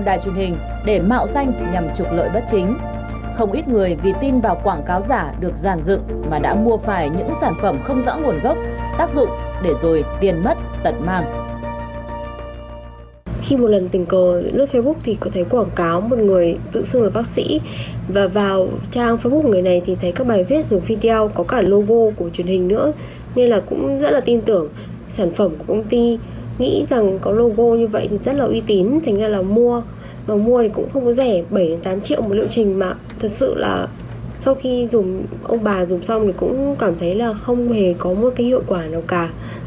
điều chỉnh mà thật sự là sau khi dùng ông bà dùng xong thì cũng cảm thấy là không hề có một cái hiệu quả nào cả